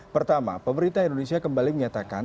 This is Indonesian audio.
pertama pemerintah indonesia kembali menyatakan